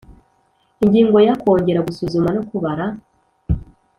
Ingingo ya Kongera gusuzuma no kubara